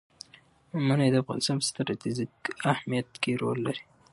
منی د افغانستان په ستراتیژیک اهمیت کې رول لري.